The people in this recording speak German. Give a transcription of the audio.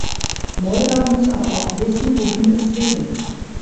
Moldau muss aber auch wissen, wohin es will.